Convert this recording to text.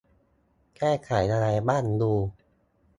แก้ไขอะไรบ้างดู